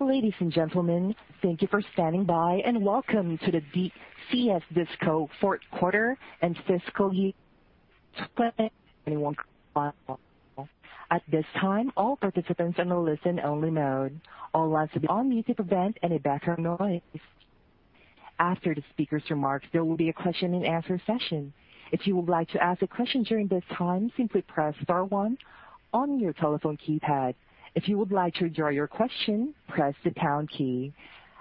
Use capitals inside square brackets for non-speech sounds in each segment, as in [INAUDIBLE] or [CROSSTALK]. Ladies and gentlemen, thank you for standing by and welcome to the CS Disco Q4 and fiscal year 2021. At this time, all participants are on a listen-only mode. All lines will be on mute to prevent any background noise. After the speaker's remarks, there will be a question and answer session. If you would like to ask a question during this time, simply press star one on your telephone keypad. If you would like to withdraw your question, press the pound key.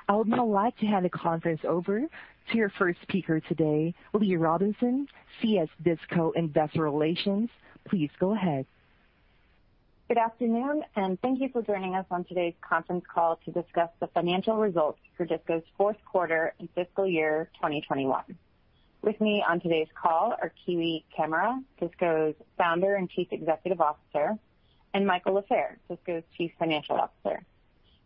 I would now like to hand the conference over to your first speaker today, Lee Robinson, CS Disco Investor Relations. Please go ahead. Good afternoon, and thank you for joining us on today's conference call to discuss the financial results for DISCO's Q4 and fiscal year 2021. With me on today's call are Kiwi Camara, DISCO's founder and Chief Executive Officer, and Michael Lafair, DISCO's Chief Financial Officer.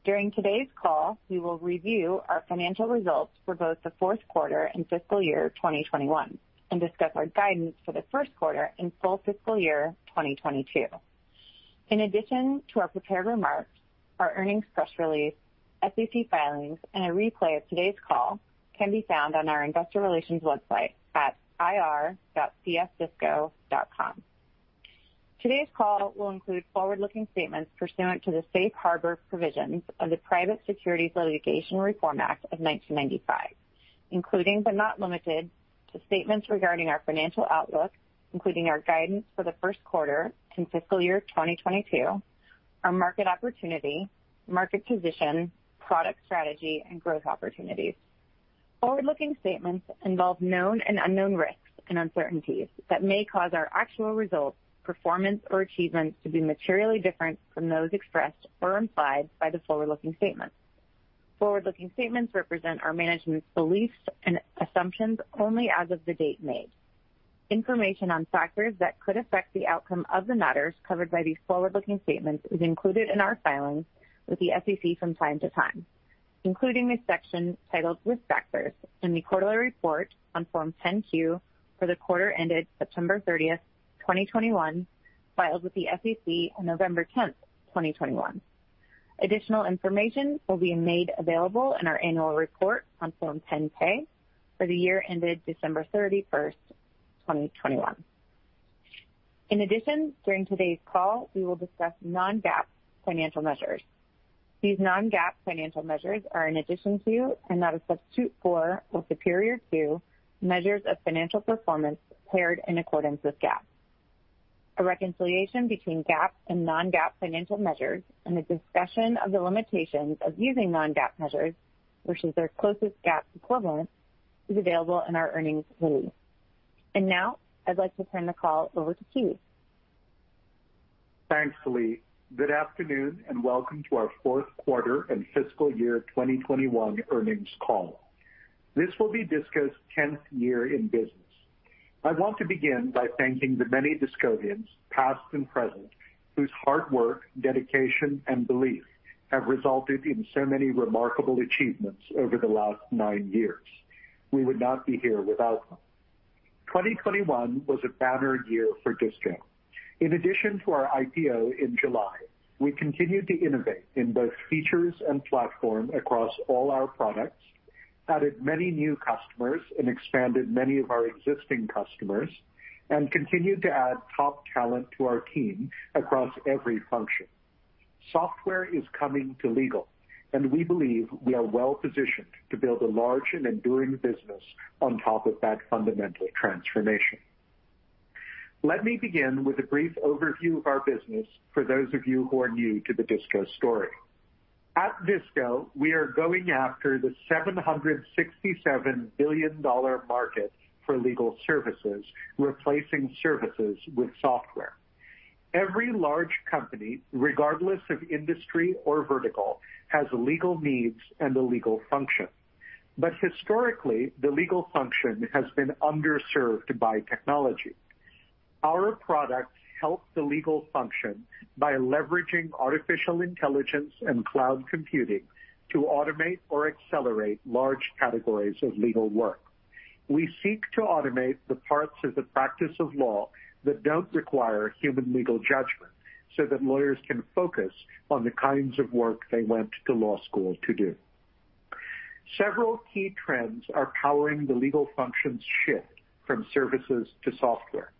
During today's call, we will review our financial results for both the Q4 and fiscal year 2021 and discuss our guidance for the Q1 and full fiscal year 2022. In addition to our prepared remarks, our earnings press release, SEC filings, and a replay of today's call can be found on our investor relations website at ir.csdisco.com. Today's call will include forward-looking statements pursuant to the safe harbor provisions of the Private Securities Litigation Reform Act of 1995, including, but not limited to, statements regarding our financial outlook, including our guidance for the Q1 and fiscal year 2022, our market opportunity, market position, product strategy, and growth opportunities. Forward-looking statements involve known and unknown risks and uncertainties that may cause our actual results, performance or achievements to be materially different from those expressed or implied by the forward-looking statements. Forward-looking statements represent our management's beliefs and assumptions only as of the date made. Information on factors that could affect the outcome of the matters covered by these forward-looking statements is included in our filings with the SEC from time to time, including a section titled Risk Factors in the quarterly report on Form 10-Q for the quarter ended September 30th, 2021, filed with the SEC on November 10th, 2021. Additional information will be made available in our annual report on Form 10-K for the year ended December 31st, 2021. In addition, during today's call, we will discuss non-GAAP financial measures. These non-GAAP financial measures are in addition to, and not a substitute for or superior to, measures of financial performance prepared in accordance with GAAP. A reconciliation between GAAP and non-GAAP financial measures and a discussion of the limitations of using non-GAAP measures versus their closest GAAP equivalent is available in our earnings release. Now I'd like to turn the call over to Kiwi. Thanks, Lee. Good afternoon, and welcome to our Q4 and fiscal year 2021 earnings call. This will be DISCO's 10th year in business. I want to begin by thanking the many DISCOvians, past and present, whose hard work, dedication and belief have resulted in so many remarkable achievements over the last nine years. We would not be here without them. 2021 was a banner year for DISCO. In addition to our IPO in July, we continued to innovate in both features and platform across all our products, added many new customers, and expanded many of our existing customers, and continued to add top talent to our team across every function. Software is coming to legal, and we believe we are well-positioned to build a large and enduring business on top of that fundamental transformation. Let me begin with a brief overview of our business for those of you who are new to the DISCO story. At DISCO, we are going after the $767 billion market for legal services, replacing services with software. Every large company, regardless of industry or vertical, has legal needs and a legal function. But historically, the legal function has been underserved by technology. Our products help the legal function by leveraging artificial intelligence and cloud computing to automate or accelerate large categories of legal work. We seek to automate the parts of the practice of law that don't require human legal judgment, so that lawyers can focus on the kinds of work they went to law school to do. Several key trends are powering the legal functions shift from services to software.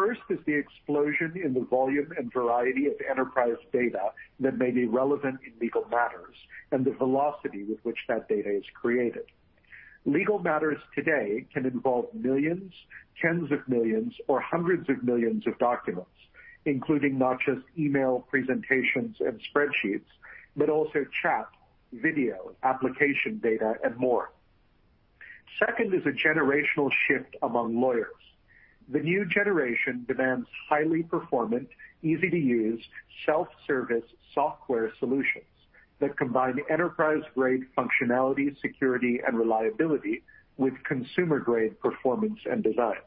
First is the explosion in the volume and variety of enterprise data that may be relevant in legal matters and the velocity with which that data is created. Legal matters today can involve millions, tens of millions or hundreds of millions of documents, including not just email presentations and spreadsheets, but also chat, video, application data and more. Second is a generational shift among lawyers. The new generation demands highly performant, easy-to-use, self-service software solutions that combine enterprise-grade functionality, security and reliability with consumer-grade performance and design.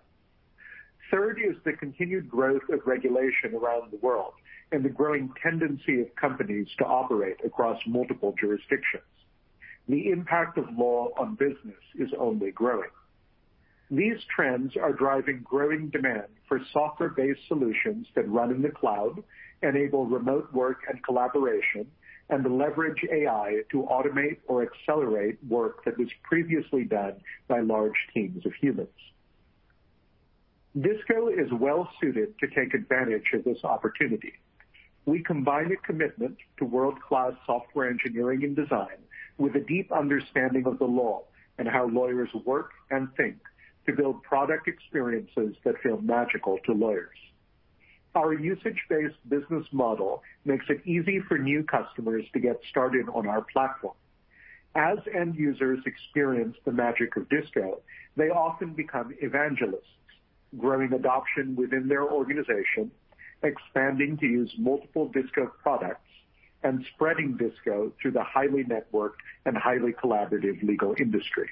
Third is the continued growth of regulation around the world and the growing tendency of companies to operate across multiple jurisdictions. The impact of law on business is only growing. These trends are driving growing demand for software-based solutions that run in the cloud, enable remote work and collaboration, and leverage AI to automate or accelerate work that was previously done by large teams of humans. DISCO is well-suited to take advantage of this opportunity. We combine a commitment to world-class software engineering and design with a deep understanding of the law and how lawyers work and think to build product experiences that feel magical to lawyers. Our usage-based business model makes it easy for new customers to get started on our platform. As end users experience the magic of DISCO, they often become evangelists, growing adoption within their organization, expanding to use multiple DISCO products, and spreading DISCO through the highly networked and highly collaborative legal industry.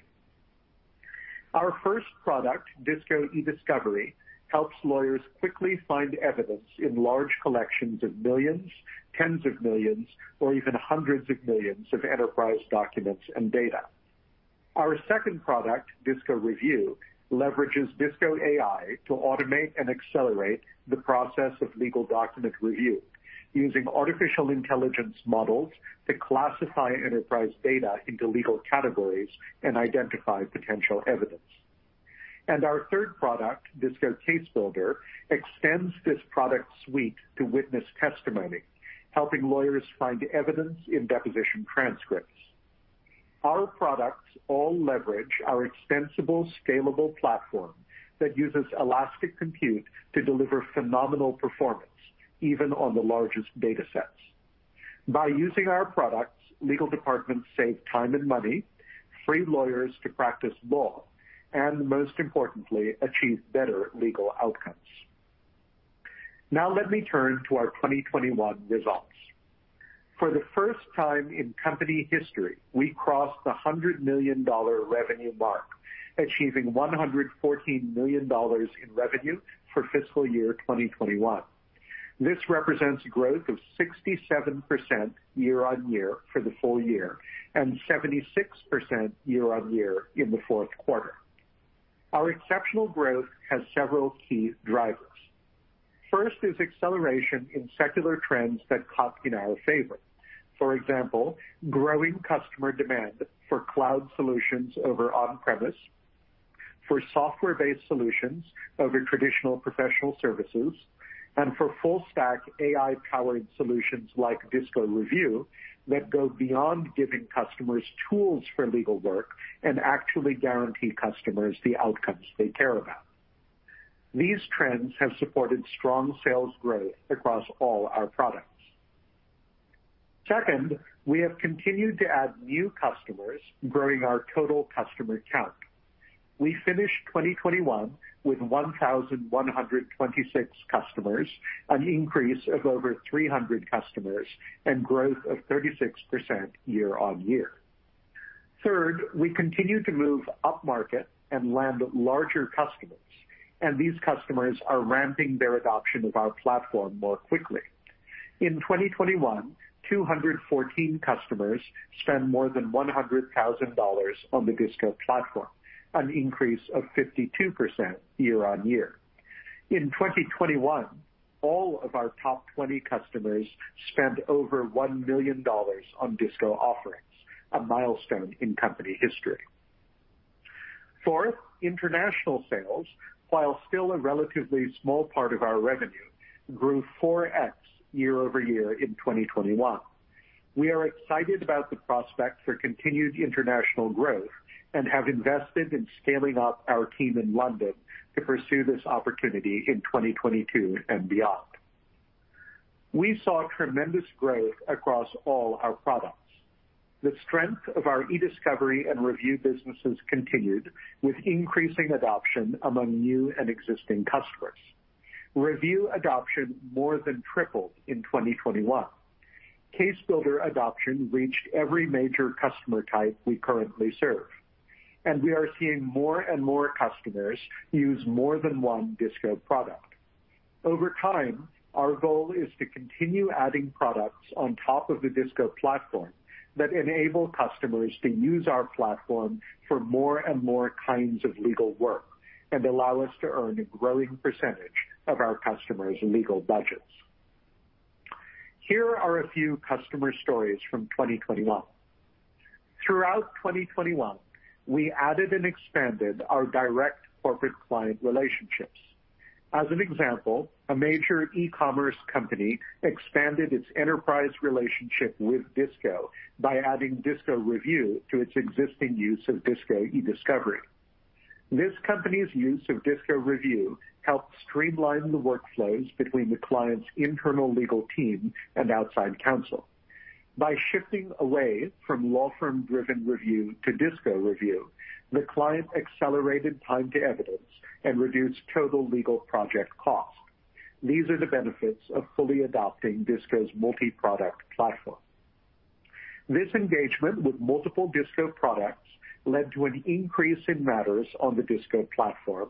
Our first product, DISCO eDiscovery, helps lawyers quickly find evidence in large collections of millions, tens of millions, or even hundreds of millions of enterprise documents and data. Our second product, DISCO Review, leverages DISCO AI to automate and accelerate the process of legal document review using artificial intelligence models to classify enterprise data into legal categories and identify potential evidence. Our third product, DISCO Case Builder, extends this product suite to witness testimony, helping lawyers find evidence in deposition transcripts. Our products all leverage our extensible, scalable platform that uses elastic compute to deliver phenomenal performance, even on the largest data sets. By using our products, legal departments save time and money, free lawyers to practice law, and most importantly, achieve better legal outcomes. Now let me turn to our 2021 results. For the first time in company history, we crossed the $100 million revenue mark, achieving $114 million in revenue for fiscal year 2021. This represents growth of 67% year-on-year for the full year, and 76% year-on-year in the Q4. Our exceptional growth has several key drivers. First is acceleration in secular trends that caught in our favor. For example, growing customer demand for cloud solutions over on-premise, for software-based solutions over traditional professional services, and for full stack AI-powered solutions like DISCO Review that go beyond giving customers tools for legal work and actually guarantee customers the outcomes they care about. These trends have supported strong sales growth across all our products. Second, we have continued to add new customers, growing our total customer count. We finished 2021 with 1,126 customers, an increase of over 300 customers and growth of 36% year-over-year. Third, we continue to move upmarket and land larger customers, and these customers are ramping their adoption of our platform more quickly. In 2021, 214 customers spent more than $100,000 on the DISCO platform, an increase of 52% year-over-year. In 2021, all of our top 20 customers spent over $1 million on DISCO offerings, a milestone in company history. Fourth, international sales, while still a relatively small part of our revenue, grew 4x year-over-year in 2021. We are excited about the prospect for continued international growth and have invested in scaling up our team in London to pursue this opportunity in 2022 and beyond. We saw tremendous growth across all our products. The strength of our eDiscovery and Review businesses continued with increasing adoption among new and existing customers. Review adoption more than tripled in 2021. Case Builder adoption reached every major customer type we currently serve, and we are seeing more and more customers use more than one DISCO product. Over time, our goal is to continue adding products on top of the DISCO platform that enable customers to use our platform for more and more kinds of legal work and allow us to earn a growing percentage of our customers' legal budgets. Here are a few customer stories from 2021. Throughout 2021, we added and expanded our direct corporate client relationships. As an example, a major e-commerce company expanded its enterprise relationship with DISCO by adding DISCO Review to its existing use of DISCO eDiscovery. This company's use of DISCO Review helped streamline the workflows between the client's internal legal team and outside counsel. By shifting away from law firm-driven review to DISCO Review, the client accelerated time to evidence and reduced total legal project cost. These are the benefits of fully adopting DISCO's multi-product platform. This engagement with multiple DISCO products led to an increase in matters on the DISCO platform,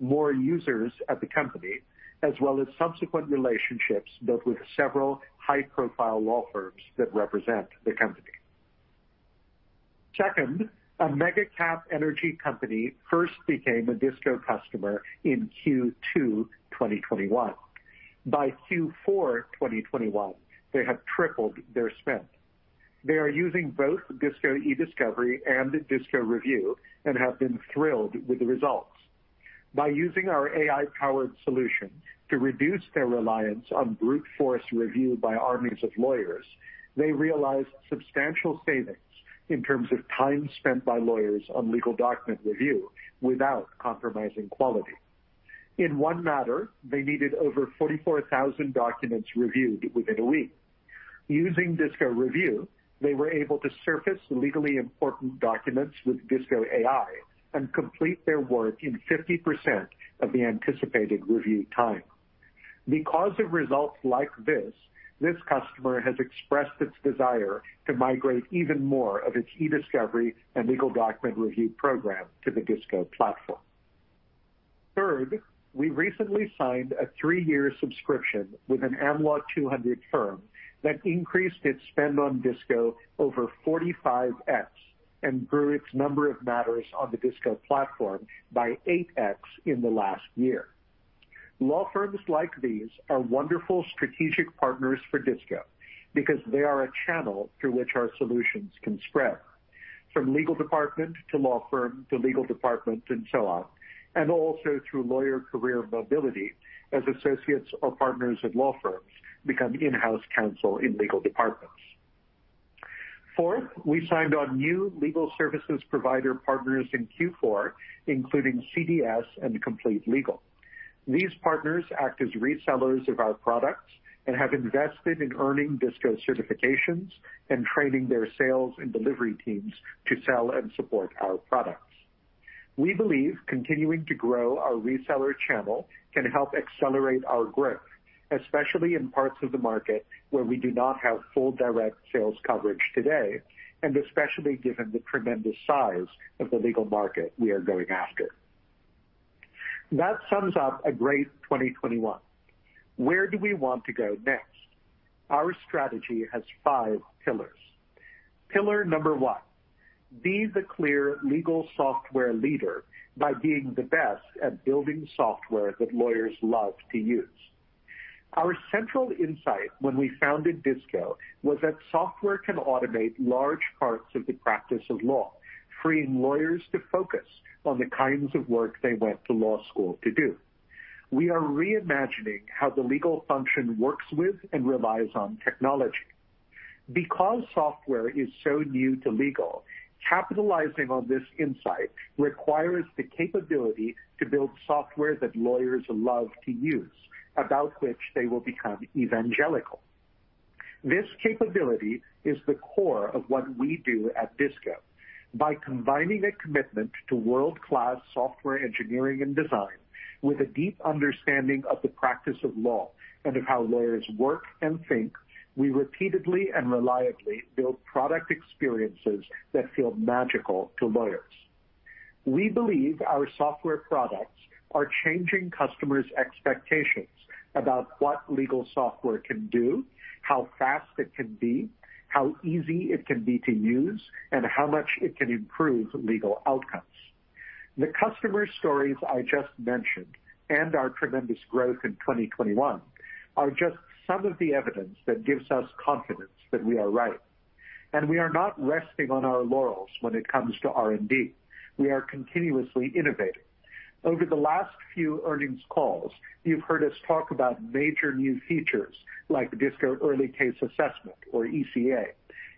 more users at the company, as well as subsequent relationships built with several high-profile law firms that represent the company. Second, a mega cap energy company first became a DISCO customer in Q2 2021. By Q4 2021, they have tripled their spend. They are using both DISCO eDiscovery and DISCO Review and have been thrilled with the results. By using our AI-powered solution to reduce their reliance on brute force review by armies of lawyers, they realized substantial savings in terms of time spent by lawyers on legal document review without compromising quality. In one matter, they needed over 44,000 documents reviewed within a week. Using DISCO Review, they were able to surface legally important documents with DISCO AI and complete their work in 50% of the anticipated review time. Because of results like this customer has expressed its desire to migrate even more of its eDiscovery and legal document review program to the DISCO platform. Third, we recently signed a three-year subscription with an Am Law 200 firm that increased its spend on DISCO over 45x and grew its number of matters on the DISCO platform by 8x in the last year. Law firms like these are wonderful strategic partners for DISCO because they are a channel through which our solutions can spread from legal department to law firm to legal department and so on, and also through lawyer career mobility as associates or partners at law firms become in-house counsel in legal departments. Fourth, we signed on new legal services provider partners in Q4, including CDS and Complete Legal. These partners act as resellers of our products and have invested in earning DISCO certifications and training their sales and delivery teams to sell and support our products. We believe continuing to grow our reseller channel can help accelerate our growth, especially in parts of the market where we do not have full direct sales coverage today, and especially given the tremendous size of the legal market we are going after. That sums up a great 2021. Where do we want to go next? Our strategy has five pillars. Pillar number one: be the clear legal software leader by being the best at building software that lawyers love to use. Our central insight when we founded DISCO was that software can automate large parts of the practice of law, freeing lawyers to focus on the kinds of work they went to law school to do. We are reimagining how the legal function works with and relies on technology. Because software is so new to legal, capitalizing on this insight requires the capability to build software that lawyers love to use, about which they will become evangelical. This capability is the core of what we do at DISCO. By combining a commitment to world-class software engineering and design with a deep understanding of the practice of law and of how lawyers work and think, we repeatedly and reliably build product experiences that feel magical to lawyers. We believe our software products are changing customers' expectations about what legal software can do, how fast it can be, how easy it can be to use, and how much it can improve legal outcomes. The customer stories I just mentioned and our tremendous growth in 2021 are just some of the evidence that gives us confidence that we are right. We are not resting on our laurels when it comes to R&D. We are continuously innovating. Over the last few earnings calls, you've heard us talk about major new features like DISCO Early Case Assessment, or ECA,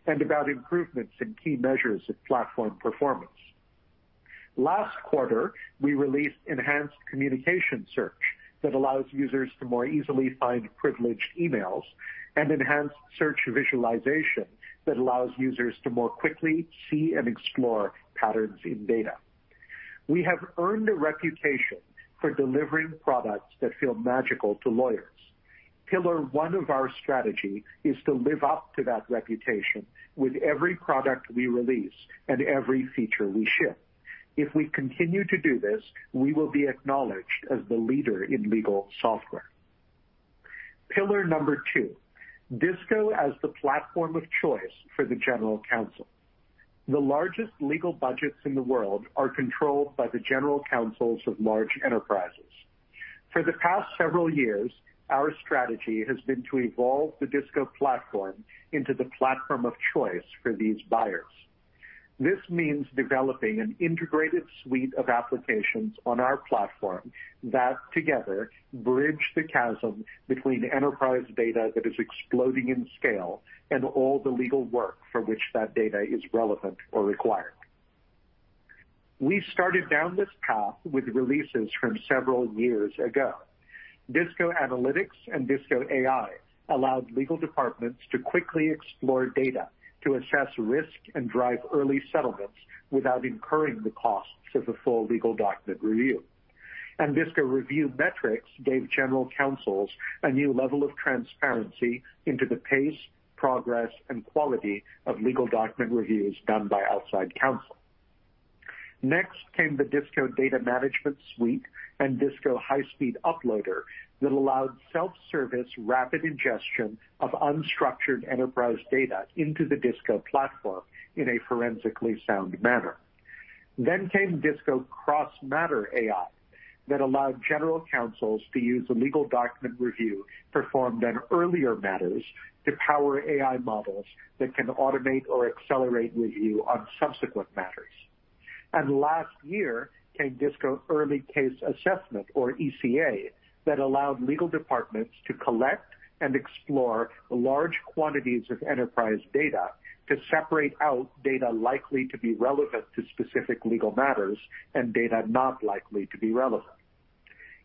and about improvements in key measures of platform performance. Last quarter, we released enhanced communication search that allows users to more easily find privileged emails and enhanced search visualization that allows users to more quickly see and explore patterns in data. We have earned a reputation for delivering products that feel magical to lawyers. Pillar one of our strategy is to live up to that reputation with every product we release and every feature we ship. If we continue to do this, we will be acknowledged as the leader in legal software. Pillar number two. DISCO as the platform of choice for the general counsel. The largest legal budgets in the world are controlled by the general counsels of large enterprises. For the past several years, our strategy has been to evolve the DISCO platform into the platform of choice for these buyers. This means developing an integrated suite of applications on our platform that together bridge the chasm between enterprise data that is exploding in scale and all the legal work for which that data is relevant or required. We started down this path with releases from several years ago. DISCO Analytics and DISCO AI allowed legal departments to quickly explore data to assess risk and drive early settlements without incurring the costs of a full legal document review. DISCO Review Metrics gave general counsels a new level of transparency into the pace, progress, and quality of legal document reviews done by outside counsel. Next came the DISCO Data Management Suite and DISCO High-Speed Uploader that allowed self-service rapid ingestion of unstructured enterprise data into the DISCO platform in a forensically sound manner. Then came DISCO Cross-Matter AI that allowed general counsels to use a legal document review performed on earlier matters to power AI models that can automate or accelerate review on subsequent matters. Last year came DISCO Early Case Assessment, or ECA, that allowed legal departments to collect and explore large quantities of enterprise data to separate out data likely to be relevant to specific legal matters and data not likely to be relevant.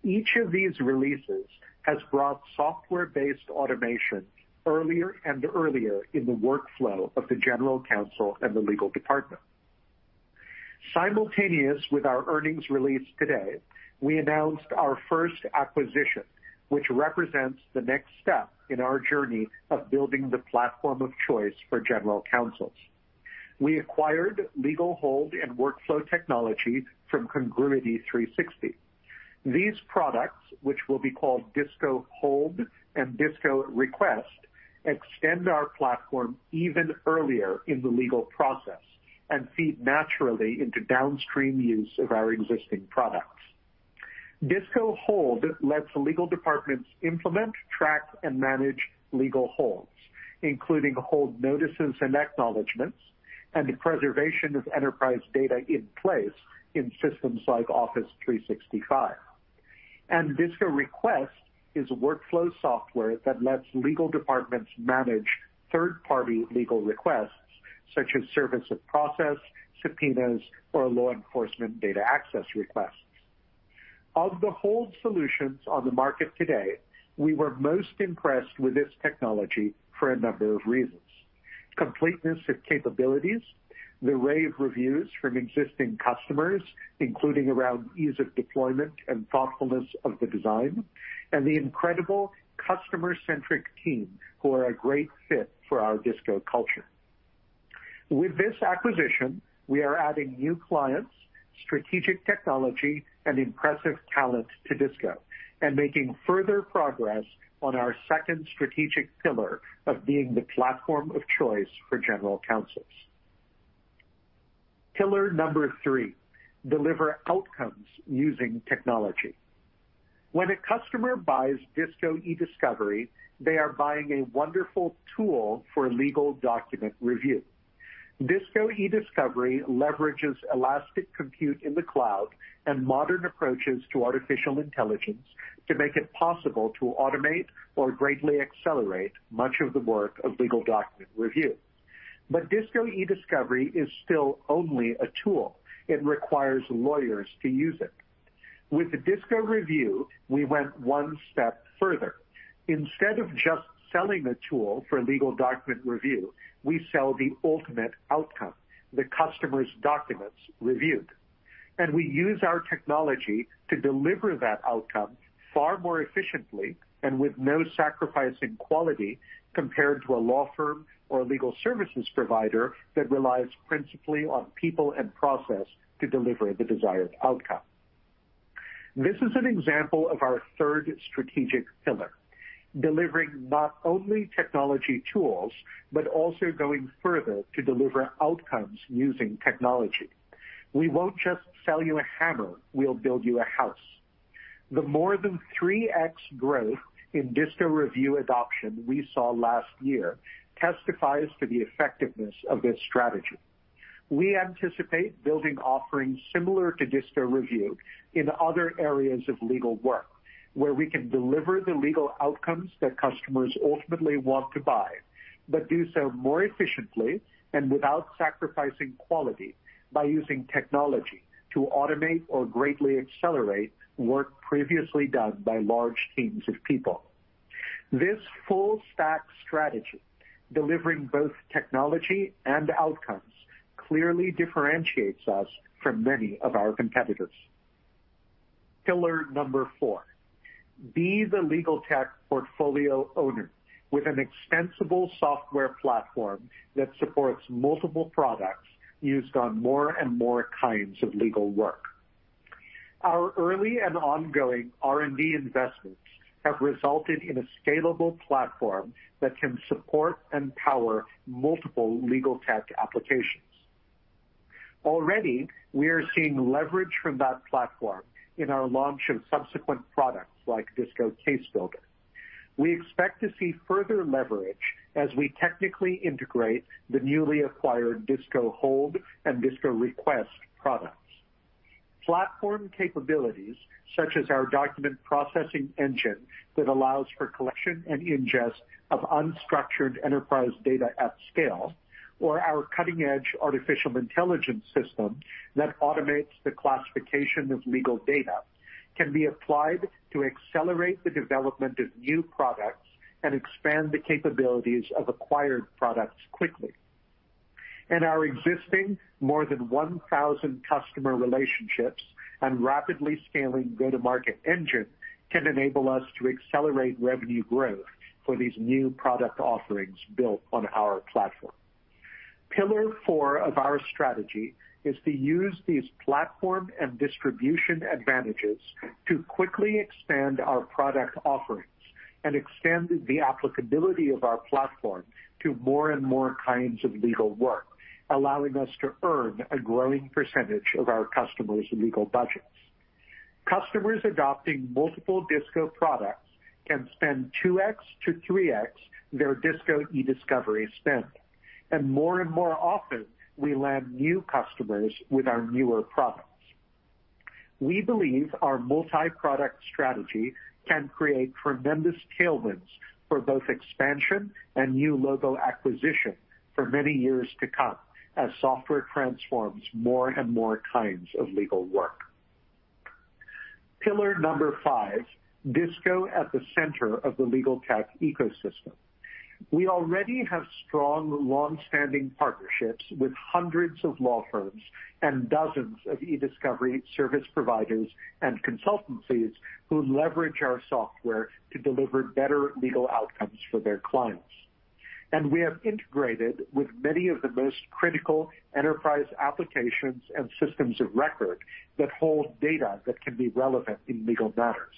Each of these releases has brought software-based automation earlier and earlier in the workflow of the general counsel and the legal department. Simultaneous with our earnings release today, we announced our first acquisition, which represents the next step in our journey of building the platform of choice for general counsels. We acquired legal hold and workflow technology from Congruity360. These products, which will be called DISCO Hold and DISCO Request, extend our platform even earlier in the legal process and feed naturally into downstream use of our existing products. DISCO Hold lets legal departments implement, track, and manage legal holds, including hold notices and acknowledgments and the preservation of enterprise data in place in systems like Office 365. DISCO Request is a workflow software that lets legal departments manage third-party legal requests such as service of process, subpoenas, or law enforcement data access requests. Of the hold solutions on the market today, we were most impressed with this technology for a number of reasons. Completeness of capabilities, the rave reviews from existing customers, including around ease of deployment and thoughtfulness of the design, and the incredible customer-centric team who are a great fit for our DISCO culture. With this acquisition, we are adding new clients, strategic technology, and impressive talent to DISCO, and making further progress on our second strategic pillar of being the platform of choice for general counsels. Pillar number three. Deliver outcomes using technology. When a customer buys DISCO eDiscovery, they are buying a wonderful tool for legal document review. DISCO eDiscovery leverages elastic compute in the cloud and modern approaches to artificial intelligence to make it possible to automate or greatly accelerate much of the work of legal document review. But DISCO eDiscovery is still only a tool. It requires lawyers to use it. With the DISCO Review, we went one step further. Instead of just selling a tool for legal document review, we sell the ultimate outcome, the customer's documents reviewed. We use our technology to deliver that outcome far more efficiently and with no sacrifice in quality compared to a law firm or a legal services provider that relies principally on people and process to deliver the desired outcome. This is an example of our third strategic pillar, delivering not only technology tools, but also going further to deliver outcomes using technology. We won't just sell you a hammer, we'll build you a house. The more than 3x growth in DISCO Review adoption we saw last year testifies to the effectiveness of this strategy. We anticipate building offerings similar to DISCO Review in other areas of legal work, where we can deliver the legal outcomes that customers ultimately want to buy, but do so more efficiently and without sacrificing quality by using technology to automate or greatly accelerate work previously done by large teams of people. This full stack strategy, delivering both technology and outcomes, clearly differentiates us from many of our competitors. Pillar number four. Be the legal tech portfolio owner with an extensible software platform that supports multiple products used on more and more kinds of legal work. Our early and ongoing R&D investments have resulted in a scalable platform that can support and power multiple legal tech applications. Already, we are seeing leverage from that platform in our launch of subsequent products like DISCO Case Builder. We expect to see further leverage as we technically integrate the newly acquired DISCO Hold and DISCO Request products. Platform capabilities, such as our document processing engine that allows for collection and ingest of unstructured enterprise data at scale, or our cutting-edge artificial intelligence system that automates the classification of legal data, can be applied to accelerate the development of new products and expand the capabilities of acquired products quickly. Our existing more than 1,000 customer relationships and rapidly scaling go-to-market engine can enable us to accelerate revenue growth for these new product offerings built on our platform. Pillar four of our strategy is to use these platform and distribution advantages to quickly expand our product offerings and extend the applicability of our platform to more and more kinds of legal work, allowing us to earn a growing percentage of our customers' legal budgets. Customers adopting multiple DISCO products can spend 2x-3x their DISCO eDiscovery spend. More and more often, we land new customers with our newer products. We believe our multi-product strategy can create tremendous tailwinds for both expansion and new logo acquisition for many years to come as software transforms more and more kinds of legal work. Pillar number five, DISCO at the center of the legal tech ecosystem. We already have strong, long-standing partnerships with hundreds of law firms and dozens of eDiscovery service providers and consultancies who leverage our software to deliver better legal outcomes for their clients. We have integrated with many of the most critical enterprise applications and systems of record that hold data that can be relevant in legal matters.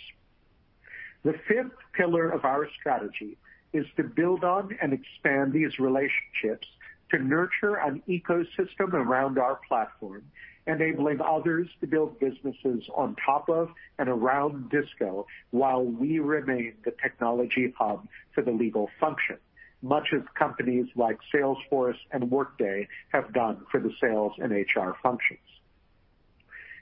The fifth pillar of our strategy is to build on and expand these relationships to nurture an ecosystem around our platform, enabling others to build businesses on top of and around DISCO while we remain the technology hub for the legal function, much as companies like Salesforce and Workday have done for the sales and HR functions.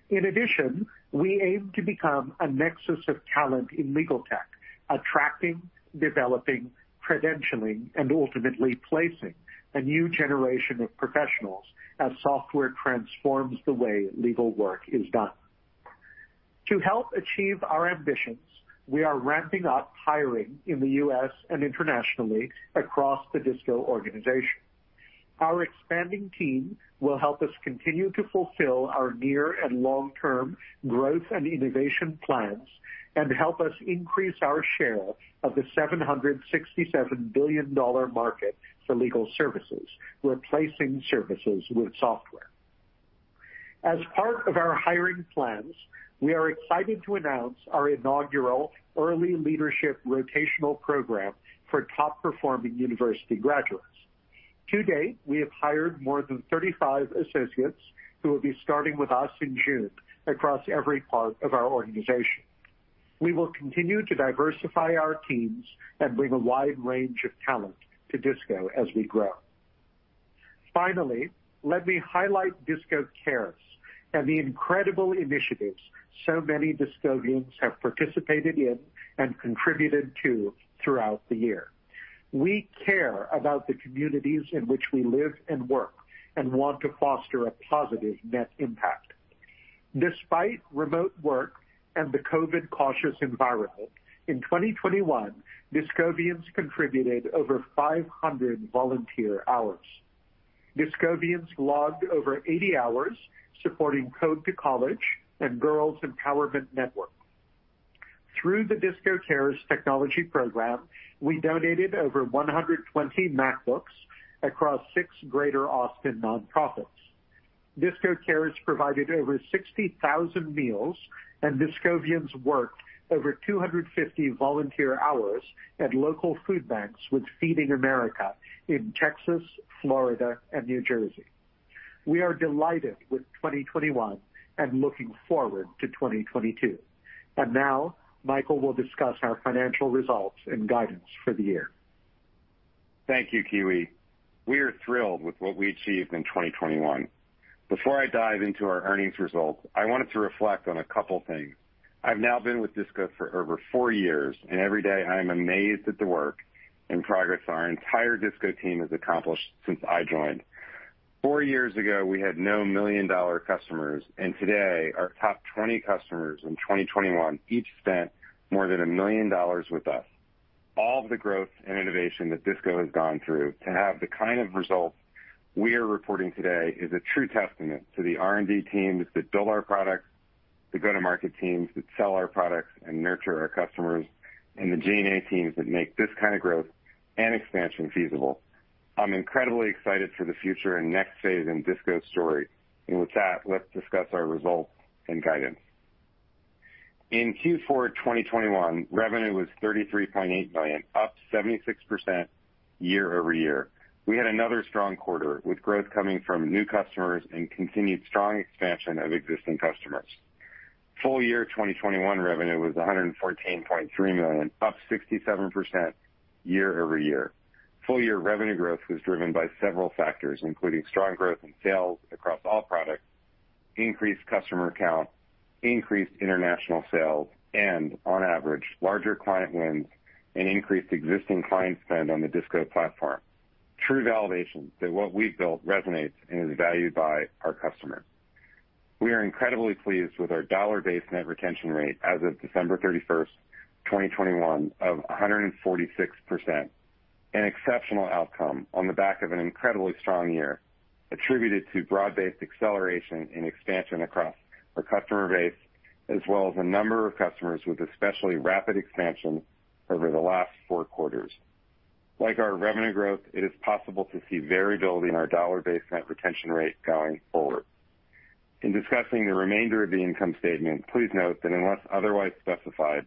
In addition, we aim to become a nexus of talent in legal tech, attracting, developing, credentialing, and ultimately placing a new generation of professionals as software transforms the way legal work is done. To help achieve our ambitions, we are ramping up hiring in the U.S. and internationally across the DISCO organization. Our expanding team will help us continue to fulfill our near and long-term growth and innovation plans and help us increase our share of the $767 billion market for legal services, replacing services with software. As part of our hiring plans, we are excited to announce our inaugural early leadership rotational program for top-performing university graduates. To date, we have hired more than 35 associates who will be starting with us in June across every part of our organization. We will continue to diversify our teams and bring a wide range of talent to DISCO as we grow. Finally, let me highlight DISCO Cares and the incredible initiatives so many DISCOvians have participated in and contributed to throughout the year. We care about the communities in which we live and work, and want to foster a positive net impact. Despite remote work and the COVID cautious environment, in 2021, DISCOvians contributed over 500 volunteer hours. DISCOvians logged over 80 hours supporting Code2College and Girls Empowerment Network. Through the DISCO Cares technology program, we donated over 120 MacBooks across six greater Austin nonprofits. DISCO Cares provided over 60,000 meals, and DISCOvians worked over 250 volunteer hours at local food banks with Feeding America in Texas, Florida, and New Jersey. We are delighted with 2021 and looking forward to 2022. Now Michael will discuss our financial results and guidance for the year. Thank you, Kiwi. We are thrilled with what we achieved in 2021. Before I dive into our earnings results, I wanted to reflect on a couple things. I've now been with DISCO for over four years, and every day, I am amazed at the work and progress our entire DISCO team has accomplished since I joined. Four years ago, we had no million-dollar customers, and today our top 20 customers in 2021 each spent more than $1 million with us. All of the growth and innovation that DISCO has gone through to have the kind of results we are reporting today is a true testament to the R&D teams that build our products, the go-to-market teams that sell our products and nurture our customers, and the G&A teams that make this kind of growth and expansion feasible. I'm incredibly excited for the future and next phase in DISCO's story. With that, let's discuss our results and guidance. In Q4 2021, revenue was $33.8 million, up 76% year-over-year. We had another strong quarter, with growth coming from new customers and continued strong expansion of existing customers. Full year 2021 revenue was $114.3 million, up 67% year-over-year. Full year revenue growth was driven by several factors, including strong growth in sales across all products, increased customer count, increased international sales, and on average, larger client wins and increased existing client spend on the DISCO platform. True validation that what we've built resonates and is valued by our customers. We are incredibly pleased with our dollar-based net retention rate as of December 31st, 2021, of 146%. An exceptional outcome on the back of an incredibly strong year, attributed to broad-based acceleration and expansion across our customer base, as well as a number of customers with especially rapid expansion over the last four quarters. Like our revenue growth, it is possible to see variability in our dollar-based net retention rate going forward. In discussing the remainder of the income statement, please note that unless otherwise specified,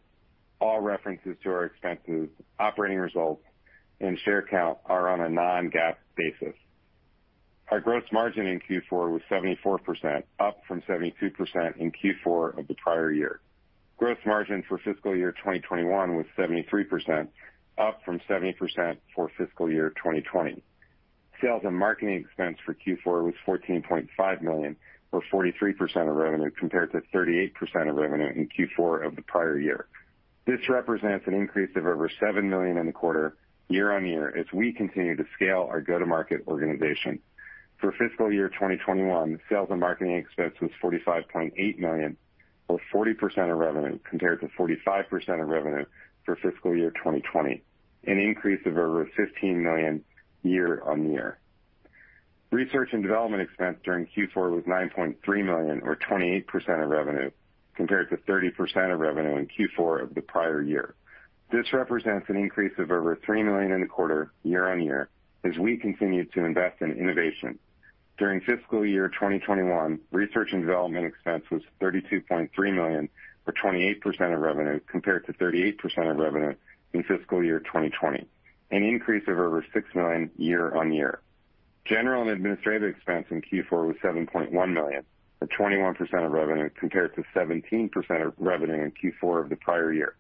all references to our expenses, operating results, and share count are on a non-GAAP basis. Our gross margin in Q4 was 74%, up from 72% in Q4 of the prior year. Gross margin for fiscal year 2021 was 73%, up from 70% for fiscal year 2020. Sales and marketing expense for Q4 was $14.5 million, or 43% of revenue, compared to 38% of revenue in Q4 of the prior year. This represents an increase of over $7 million in the quarter year-over-year as we continue to scale our go-to-market organization. For fiscal year 2021, sales and marketing expense was $45.8 million, or 40% of revenue, compared to 45% of revenue for fiscal year 2020, an increase of over $15 million year-over-year. Research and development expense during Q4 was $9.3 million, or 28% of revenue, compared to 30% of revenue in Q4 of the prior year. This represents an increase of over $3 million in the quarter year-over-year as we continue to invest in innovation. During fiscal year 2021, research and development expense was $32.3 million, or 28% of revenue, compared to 38% of revenue in fiscal year 2020, an increase of over $6 million year-over-year. General and administrative expense in Q4 was $7.1 million, or 21% of revenue, compared to 17% of revenue in Q4 of the prior year.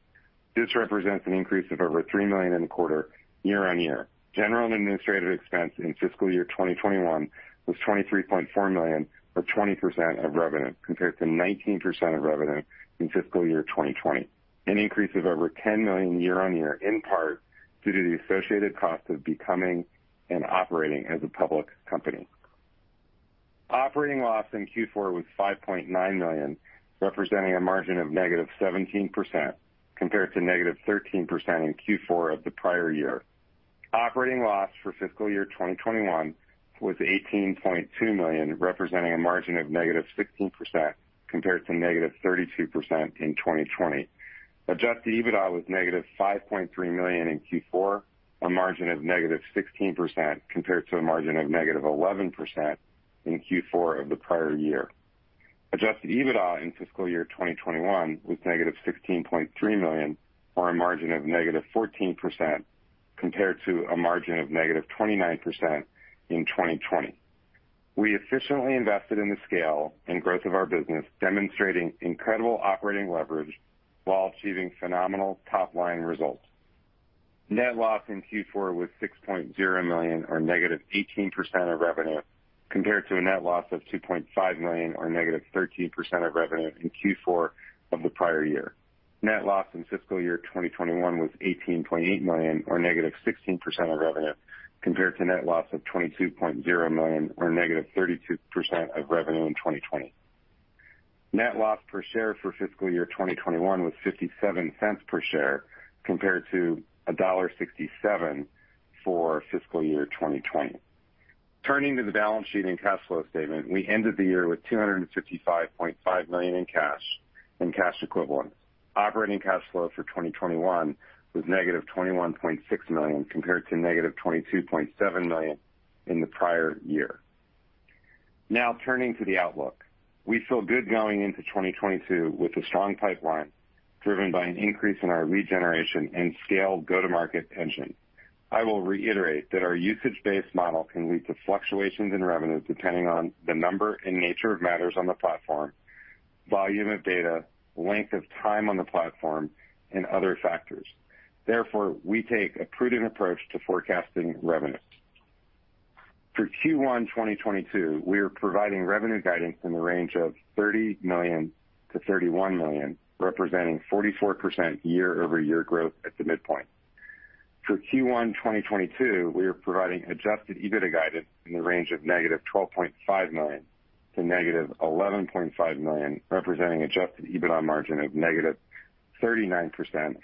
This represents an increase of over $3 million in the quarter year-over-year. General and administrative expense in fiscal year 2021 was $23.4 million, or 20% of revenue, compared to 19% of revenue in fiscal year 2020, an increase of over $10 million year-over-year, in part due to the associated cost of becoming and operating as a public company. Operating loss in Q4 was $5.9 million, representing a margin of -17% compared to -13% in Q4 of the prior year. Operating loss for fiscal year 2021 was $18.2 million, representing a margin of -16% compared to -32% in 2020. Adjusted EBITDA was -$5.3 million in Q4, a margin of -16% compared to a margin of -11% in Q4 of the prior year. Adjusted EBITDA in fiscal year 2021 was -$16.3 million, or a margin of -14% compared to a margin of -29% in 2020. We efficiently invested in the scale and growth of our business, demonstrating incredible operating leverage while achieving phenomenal top-line results. Net loss in Q4 was $6.0 million or -18% of revenue, compared to a net loss of $2.5 million or -13% of revenue in Q4 of the prior year. Net loss in fiscal year 2021 was $18.8 million or -16% of revenue, compared to net loss of $22.0 million or -32% of revenue in 2020. Net loss per share for fiscal year 2021 was $0.57 per share compared to $1.67 for fiscal year 2020. Turning to the balance sheet and cash flow statement, we ended the year with $255.5 million in cash and cash equivalents. Operating cash flow for 2021 was -$21.6 million compared to -$22.7 million in the prior year. Now turning to the outlook. We feel good going into 2022 with a strong pipeline driven by an increase in our lead generation and scale go-to-market engine. I will reiterate that our usage-based model can lead to fluctuations in revenue depending on the number and nature of matters on the platform, volume of data, length of time on the platform, and other factors. Therefore, we take a prudent approach to forecasting revenue. For Q1 2022, we are providing revenue guidance in the range of $30 million-$31 million, representing 44% year-over-year growth at the midpoint. For Q1 2022, we are providing adjusted EBITDA guidance in the range of -$12.5 million--$11.5 million, representing adjusted EBITDA margin of -39%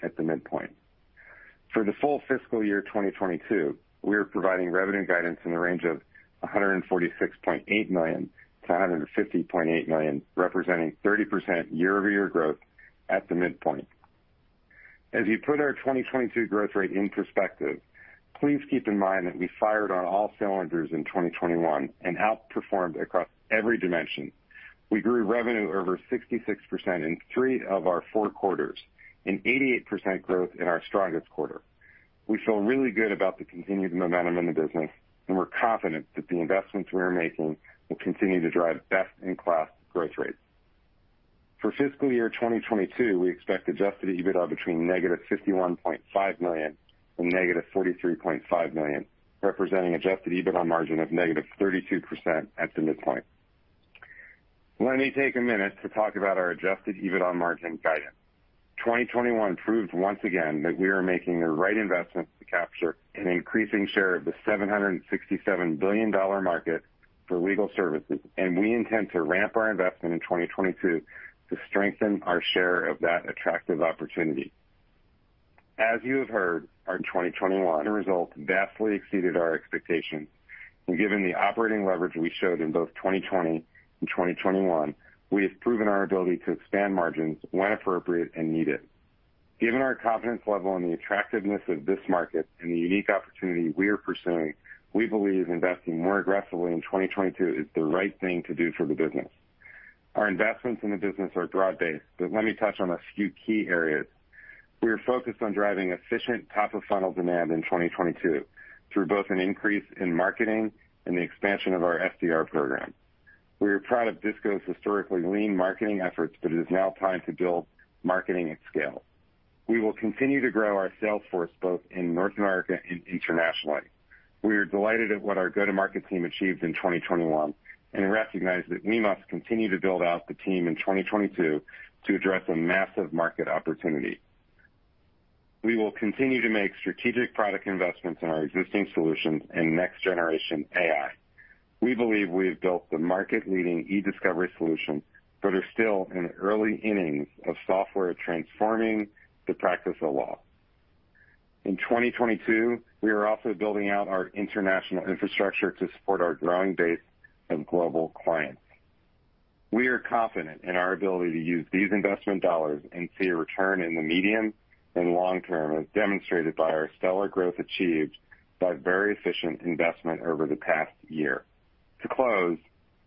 at the midpoint. For the full fiscal year 2022, we are providing revenue guidance in the range of $146.8 million-$150.8 million, representing 30% year-over-year growth at the midpoint. As you put our 2022 growth rate in perspective, please keep in mind that we fired on all cylinders in 2021 and outperformed across every dimension. We grew revenue over 66% in three of our four quarters and 88% growth in our strongest quarter. We feel really good about the continued momentum in the business, and we're confident that the investments we are making will continue to drive best-in-class growth rates. For fiscal year 2022, we expect adjusted EBITDA between -$51.5 million-$43.5 million, representing adjusted EBITDA margin of -32% at the midpoint. Let me take a minute to talk about our adjusted EBITDA margin guidance. 2021 proved once again that we are making the right investments to capture an increasing share of the $767 billion market for legal services, and we intend to ramp our investment in 2022 to strengthen our share of that attractive opportunity. As you have heard, our 2021 results vastly exceeded our expectations. Given the operating leverage we showed in both 2020 and 2021, we have proven our ability to expand margins when appropriate and needed. Given our confidence level in the attractiveness of this market and the unique opportunity we are pursuing, we believe investing more aggressively in 2022 is the right thing to do for the business. Our investments in the business are broad-based, but let me touch on a few key areas. We are focused on driving efficient top-of-funnel demand in 2022 through both an increase in marketing and the expansion of our SDR program. We are proud of DISCO's historically lean marketing efforts, but it is now time to build marketing at scale. We will continue to grow our sales force both in North America and internationally. We are delighted at what our go-to-market team achieved in 2021, and recognize that we must continue to build out the team in 2022 to address a massive market opportunity. We will continue to make strategic product investments in our existing solutions and next-generation AI. We believe we have built the market-leading eDiscovery solution but are still in the early innings of software transforming the practice of law. In 2022, we are also building out our international infrastructure to support our growing base of global clients. We are confident in our ability to use these investment dollars and see a return in the medium and long term, as demonstrated by our stellar growth achieved by very efficient investment over the past year. To close,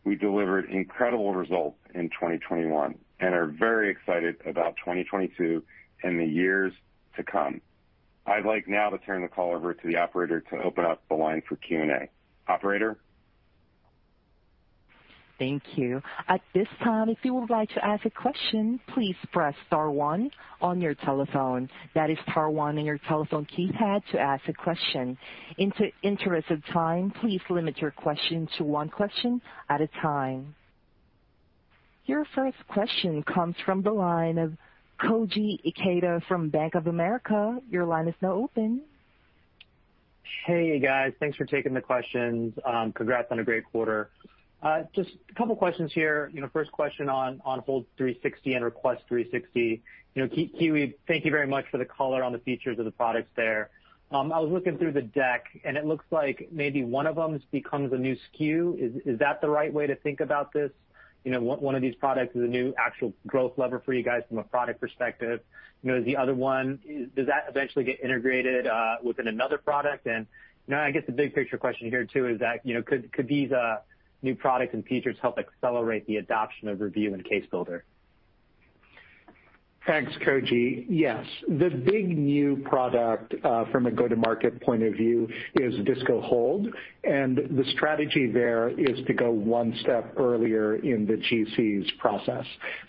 we delivered incredible results in 2021 and are very excited about 2022 and the years to come. I'd like now to turn the call over to the operator to open up the line for Q&A. Operator? Thank you. At this time, if you would like to ask a question, please press star one on your telephone. That is star one on your telephone keypad to ask a question. In the interest of time, please limit your question to one question at a time. Your first question comes from the line of Koji Ikeda from Bank of America. Your line is now open. Hey, guys. Thanks for taking the questions. Congrats on a great quarter. Just a couple questions here. You know, first question on Hold360 and Request360. You know, Kiwi, thank you very much for the color on the features of the products there. I was looking through the deck, and it looks like maybe one of them becomes a new SKU. Is that the right way to think about this? You know, one of these products is a new actual growth lever for you guys from a product perspective. You know, the other one, does that eventually get integrated within another product? You know, I guess the big-picture question here, too, is that, you know, could these new products and features help accelerate the adoption of Review and Case Builder? Thanks, Koji. Yes, the big new product from a go-to-market point of view is DISCO Hold, and the strategy there is to go one step earlier in the GC's process.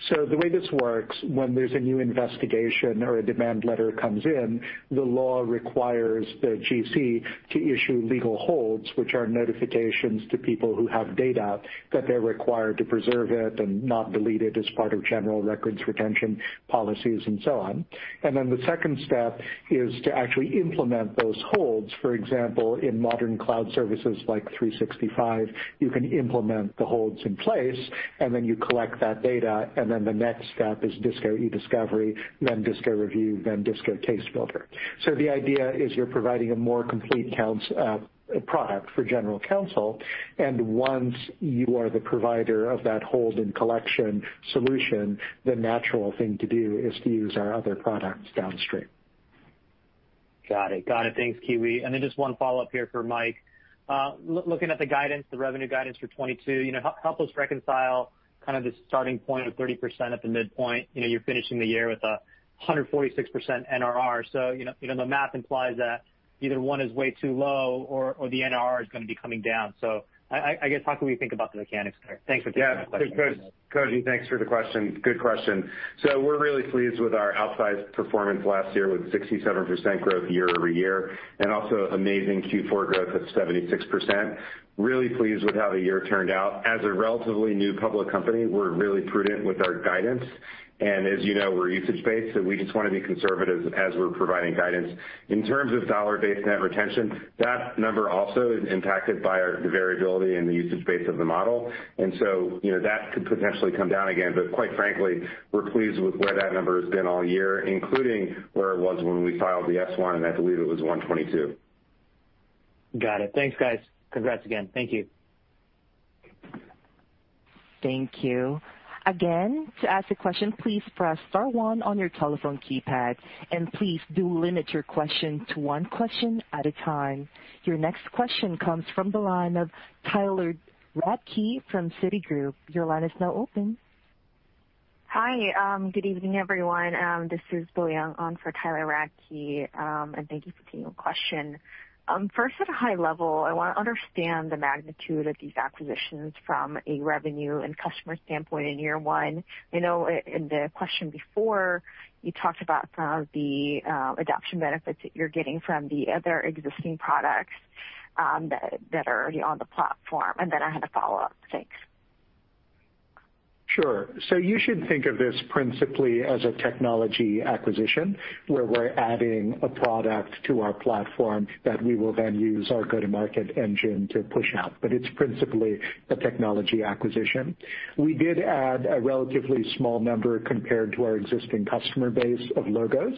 The way this works, when there's a new investigation or a demand letter comes in, the law requires the GC to issue legal holds, which are notifications to people who have data, that they're required to preserve it and not delete it as part of general records retention policies and so on. The second step is to actually implement those holds. For example, in modern cloud services like Microsoft 365, you can implement the holds in place, and then you collect that data, and then the next step is DISCO eDiscovery, then DISCO Review, then DISCO Case Builder. The idea is you're providing a more complete product for general counsel, and once you are the provider of that hold and collection solution, the natural thing to do is to use our other products downstream. Got it. Thanks, Kiwi. Just one follow-up here for Mike. Looking at the guidance, the revenue guidance for 2022, you know, help us reconcile kind of the starting point of 30% at the midpoint. You know, you're finishing the year with a 146% NRR. You know, the math implies that either one is way too low or the NRR is gonna be coming down. I guess, how can we think about the mechanics there? Thanks for taking my question. Yeah. Koji, thanks for the question. Good question. We're really pleased with our outsized performance last year with 67% growth year-over-year and also amazing Q4 growth at 76%. Really pleased with how the year turned out. As a relatively new public company, we're really prudent with our guidance. As you know, we're usage-based, so we just wanna be conservative as we're providing guidance. In terms of dollar-based net retention, that number also is impacted by the variability and the usage base of the model. You know, that could potentially come down again. Quite frankly, we're pleased with where that number has been all year, including where it was when we filed the S-1, and I believe it was 122. Got it. Thanks, guys. Congrats again. Thank you. Thank you. Again, to ask a question, please press star one on your telephone keypad, and please do limit your question to one question at a time. Your next question comes from the line of Tyler Radke from Citigroup. Your line is now open. Hi. Good evening, everyone. This is Boyoung Kim on for Tyler Radke, and thank you for taking the question. First, at a high level, I wanna understand the magnitude of these acquisitions from a revenue and customer standpoint in year one. I know in the question before, you talked about the adoption benefits that you're getting from the other existing products that are already on the platform. Then I have a follow-up. Thanks. Sure. You should think of this principally as a technology acquisition, where we're adding a product to our platform that we will then use our go-to-market engine to push out. It's principally a technology acquisition. We did add a relatively small number compared to our existing customer base of logos,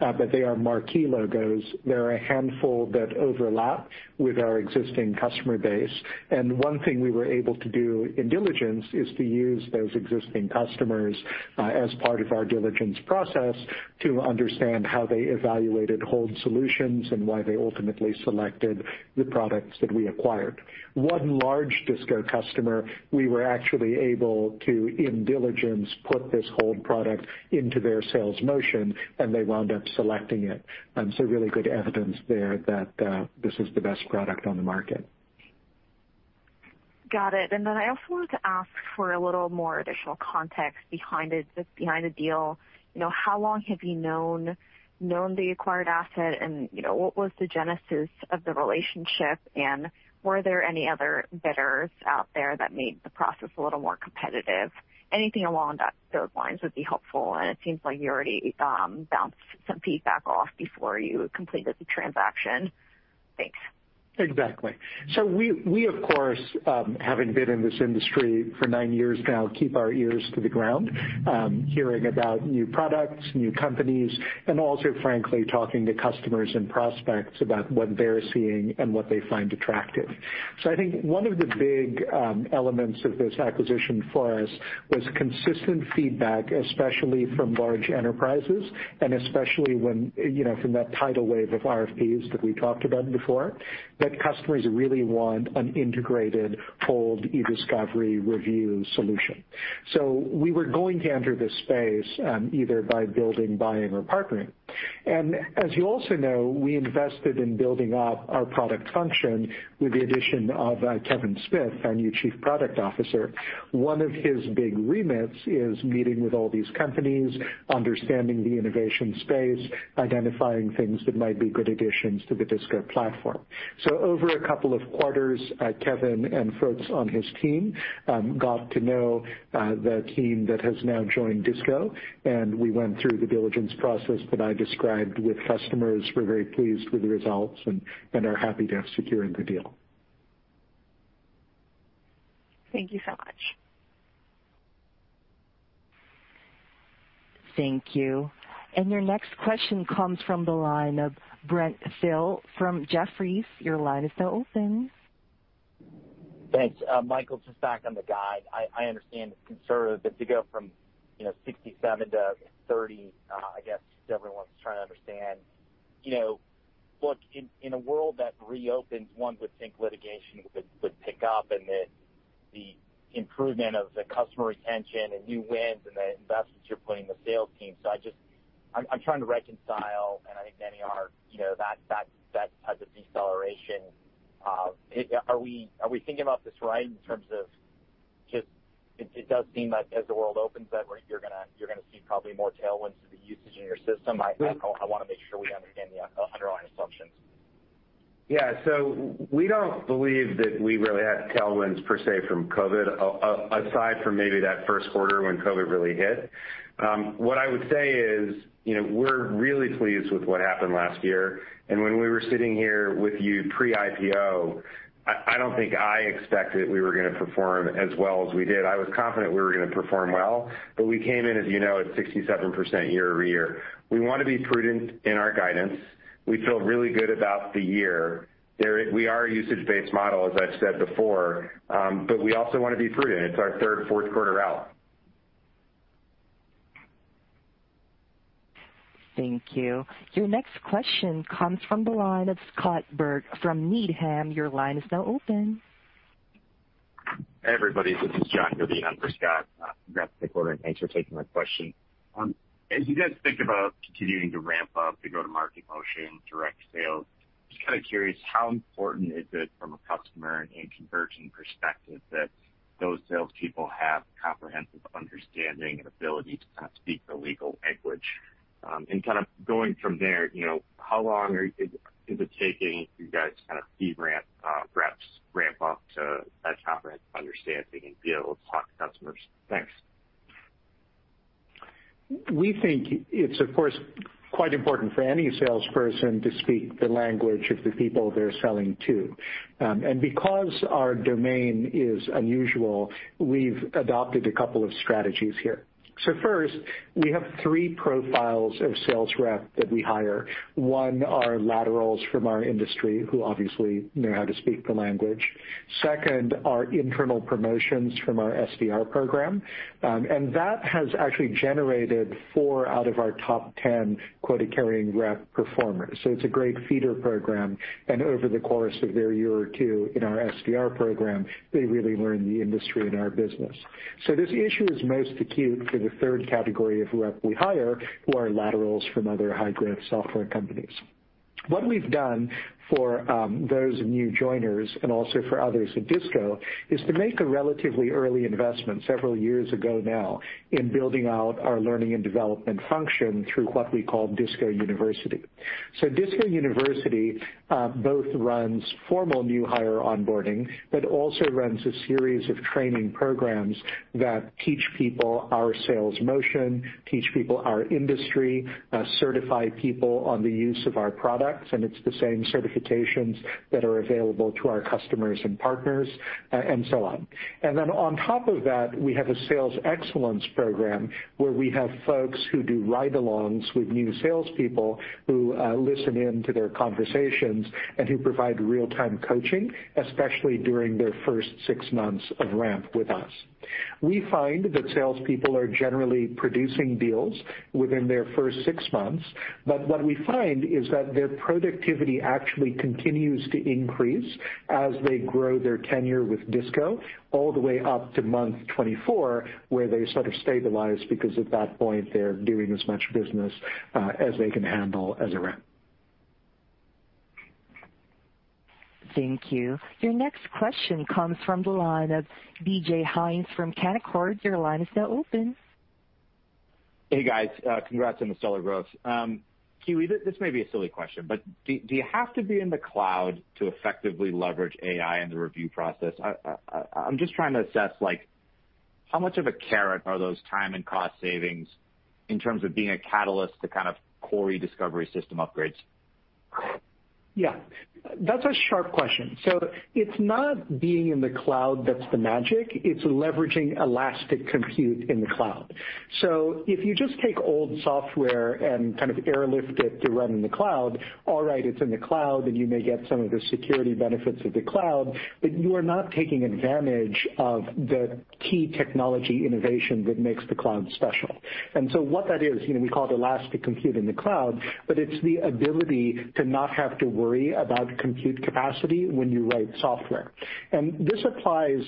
but they are marquee logos. There are a handful that overlap with our existing customer base. One thing we were able to do in diligence is to use those existing customers as part of our diligence process to understand how they evaluated hold solutions and why they ultimately selected the products that we acquired. One large DISCO customer, we were actually able to, in diligence, put this hold product into their sales motion, and they wound up selecting it. Really good evidence there that this is the best product on the market. Got it. I also wanted to ask for a little more additional context behind the deal. You know, how long have you known the acquired asset? You know, what was the genesis of the relationship? Were there any other bidders out there that made the process a little more competitive? Anything along those lines would be helpful. It seems like you already bounced some feedback off before you completed the transaction. Thanks. Exactly. We of course, having been in this industry for nine years now, keep our ears to the ground, hearing about new products, new companies, and also frankly, talking to customers and prospects about what they're seeing and what they find attractive. I think one of the big elements of this acquisition for us was consistent feedback, especially from large enterprises, and especially when, you know, from that tidal wave of RFPs that we talked about before, that customers really want an integrated Hold eDiscovery Review solution. We were going to enter this space, either by building, buying or partnering. As you also know, we invested in building up our product function with the addition of Kevin Smith, our new Chief Product Officer. One of his big remits is meeting with all these companies, understanding the innovation space, identifying things that might be good additions to the DISCO platform. Over a couple of quarters, Kevin and folks on his team got to know the team that has now joined DISCO, and we went through the diligence process that I described with customers. We're very pleased with the results and are happy to have secured the deal. Thank you so much. Thank you. Your next question comes from the line of Brent Thill from Jefferies. Your line is now open. Thanks. Michael, just back on the guide. I understand it's conservative, but to go from, you know, 67%-30%, I guess everyone's trying to understand, you know, look, in a world that reopens, one would think litigation would pick up and that the improvement of the customer retention and new wins and the investments you're putting in the sales team. I'm trying to reconcile, and I think many are, you know, that type of deceleration. Are we thinking about this right in terms of just it does seem like as the world opens that you're gonna see probably more tailwinds to the usage in your system. I want to make sure we understand the underlying assumptions. Yeah. We don't believe that we really have tailwinds per se from COVID, aside from maybe that Q1 when COVID really hit. What I would say is, you know, we're really pleased with what happened last year. When we were sitting here with you pre-IPO, I don't think I expected we were gonna perform as well as we did. I was confident we were gonna perform well, but we came in, as you know, at 67% year-over-year. We wanna be prudent in our guidance. We feel really good about the year. We are a usage-based model, as I've said before, but we also wanna be prudent. It's our third, Q4 out. Thank you. Your next question comes from the line of Scott Berg from Needham. Your line is now open. Hey, everybody, this is John Godin in for Scott. Congrats on the quarter, and thanks for taking my question. As you guys think about continuing to ramp up the go-to-market motion, direct sales, just kinda curious, how important is it from a customer and conversion perspective that those salespeople have comprehensive understanding and ability to kind of speak the legal language? Kind of going from there, you know, how long is it taking you guys to kind of see ramp, reps ramp up to that comprehensive understanding and be able to talk to customers? Thanks. We think it's, of course, quite important for any salesperson to speak the language of the people they're selling to. Because our domain is unusual, we've adopted a couple of strategies here. First, we have three profiles of sales rep that we hire. One are laterals from our industry who obviously know how to speak the language. Second are internal promotions from our SDR program. That has actually generated four out of our top 10 quota-carrying rep performers. It's a great feeder program. Over the course of their year or two in our SDR program, they really learn the industry and our business. This issue is most acute for the third category of rep we hire, who are laterals from other high-growth software companies. What we've done for those new joiners and also for others at DISCO is to make a relatively early investment several years ago now in building out our learning and development function through what we call DISCO University. DISCO University both runs formal new hire onboarding but also runs a series of training programs that teach people our sales motion, teach people our industry, certify people on the use of our products, and it's the same certifications that are available to our customers and partners, and so on. On top of that, we have a sales excellence program where we have folks who do ride alongs with new salespeople who listen in to their conversations and who provide real-time coaching, especially during their first six months of ramp with us. We find that salespeople are generally producing deals within their first six months, but what we find is that their productivity actually continues to increase as they grow their tenure with DISCO all the way up to month 24, where they sort of stabilize because at that point, they're doing as much business as they can handle as a rep. Thank you. Your next question comes from the line of DJ Hynes from Canaccord. Your line is now open. Hey, guys. Congrats on the stellar growth. Kiwi, this may be a silly question, but do you have to be in the cloud to effectively leverage AI in the review process? I'm just trying to assess, like, how much of a carrot are those time and cost savings in terms of being a catalyst to kind of core eDiscovery system upgrades? Yeah. That's a sharp question. It's not being in the cloud that's the magic. It's leveraging elastic compute in the cloud. If you just take old software and kind of airlift it to run in the cloud, all right, it's in the cloud, and you may get some of the security benefits of the cloud, but you are not taking advantage of the key technology innovation that makes the cloud special. What that is, you know, we call it elastic compute in the cloud, but it's the ability to not have to worry about compute capacity when you write software. This applies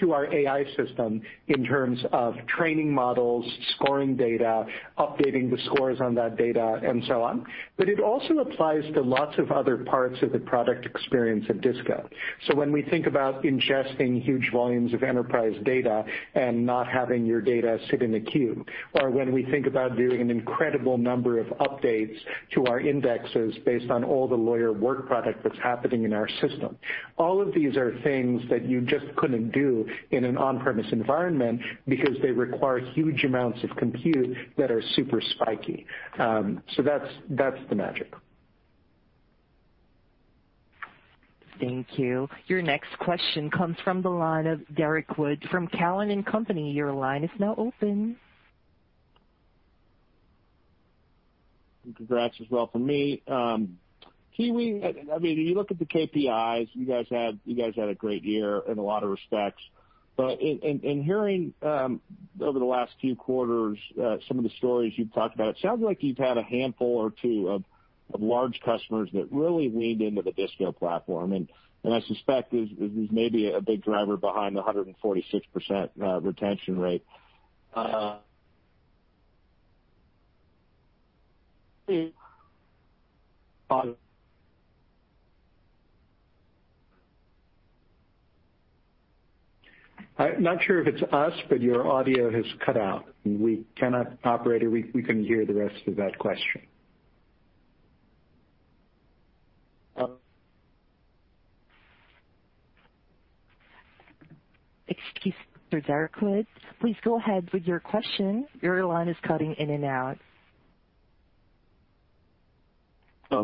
to our AI system in terms of training models, scoring data, updating the scores on that data, and so on. It also applies to lots of other parts of the product experience at DISCO. When we think about ingesting huge volumes of enterprise data and not having your data sit in a queue or when we think about doing an incredible number of updates to our indexes based on all the lawyer work product that's happening in our system, all of these are things that you just couldn't do in an on-premise environment because they require huge amounts of compute that are super spiky. That's the magic. Thank you. Your next question comes from the line of Derrick Wood from Cowen and Company. Your line is now open. Congrats as well from me. Kiwi, I mean, you look at the KPIs. You guys had a great year in a lot of respects. In hearing over the last few quarters, some of the stories you've talked about, it sounds like you've had a handful or two of large customers that really leaned into the DISCO platform, and I suspect this is maybe a big driver behind the 146% retention rate. I'm not sure if it's us, but your audio has cut out, and we cannot. Operator, we couldn't hear the rest of that question. Excuse me, Derrick Wood. Please go ahead with your question. Your line is cutting in and out. I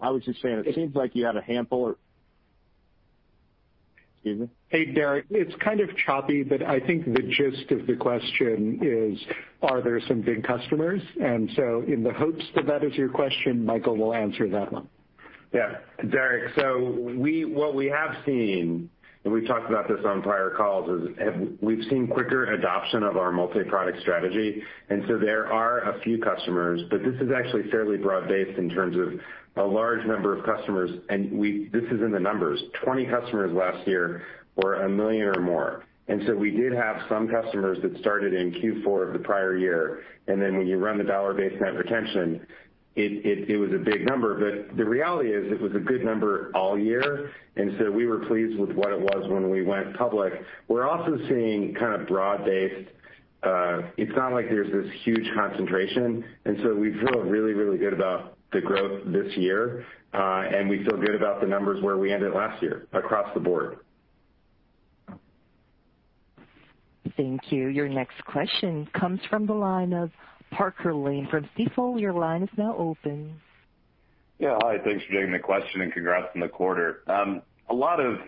was just saying it seems like you had a handful of. [INAUDIBLE] Hey, Derrick. It's kind of choppy, but I think the gist of the question is, are there some big customers? In the hopes that that is your question, Michael will answer that one. Yeah, Derrick, what we have seen, and we've talked about this on prior calls, is we've seen quicker adoption of our multi-product strategy. There are a few customers, but this is actually fairly broad-based in terms of a large number of customers. This is in the numbers. 20 customers last year were $1 million or more. We did have some customers that started in Q4 of the prior year, and then when you run the dollar-based net retention, it was a big number. The reality is it was a good number all year, and so we were pleased with what it was when we went public. We're also seeing kind of broad-based. It's not like there's this huge concentration, and so we feel really, really good about the growth this year, and we feel good about the numbers where we ended last year across the board. Thank you. Your next question comes from the line of Parker Lane from Stifel. Your line is now open. Hi. Thanks for taking the question, and congrats on the quarter. A lot of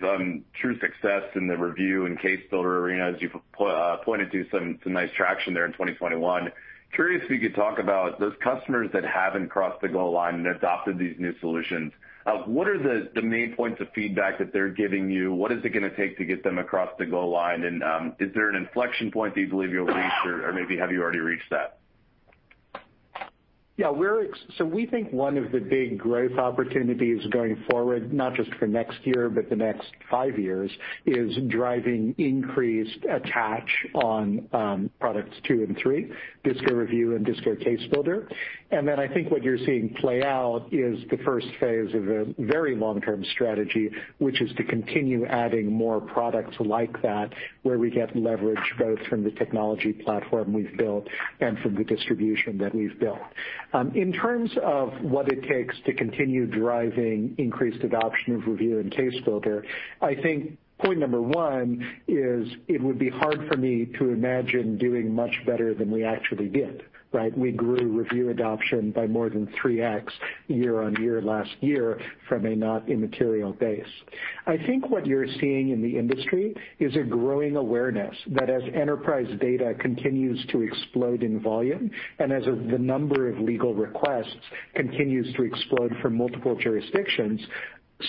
true success in the review and case builder arenas. You've pointed to some nice traction there in 2021. Curious if you could talk about those customers that haven't crossed the goal line and adopted these new solutions. What are the main points of feedback that they're giving you? What is it gonna take to get them across the goal line? Is there an inflection point that you believe you'll reach or maybe have you already reached that? We think one of the big growth opportunities going forward, not just for next year but the next five years, is driving increased attach on products two and three, DISCO Review and DISCO Case Builder. I think what you're seeing play out is the first phase of a very long-term strategy, which is to continue adding more products like that where we get leverage both from the technology platform we've built and from the distribution that we've built. In terms of what it takes to continue driving increased adoption of Review and CaseBuilder, I think point number one is it would be hard for me to imagine doing much better than we actually did, right? We grew review adoption by more than 3x year-over-year last year from a not immaterial base. I think what you're seeing in the industry is a growing awareness that as enterprise data continues to explode in volume, and as the number of legal requests continues to explode from multiple jurisdictions,